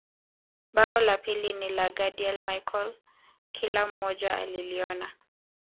Bao la pili ni la Gadiel Michael kila mmoja aliliona